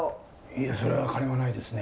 いやそれは金はないですね。